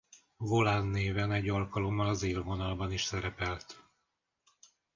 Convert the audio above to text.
Volán néven egy alkalommal az élvonalban is szerepelt.